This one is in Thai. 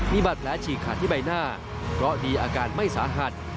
มีบาดแผลฉีกขาดที่ใบหน้าเพราะดีอาการไม่สาหัส